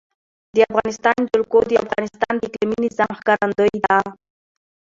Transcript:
د افغانستان جلکو د افغانستان د اقلیمي نظام ښکارندوی ده.